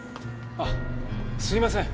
あっすいません。